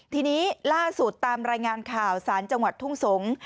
ทีนี้ล่าสุดตามรายงานข่าวสารจังหวัดทุ่งสงศ์